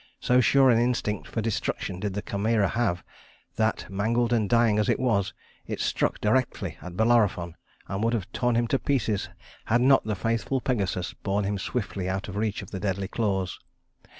So sure an instinct for destruction did the Chimæra have that, mangled and dying as it was, it struck directly at Bellerophon and would have torn him into pieces had not the faithful Pegasus borne him swiftly out of reach of the deadly claws.